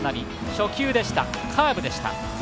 初球でした、カーブでした。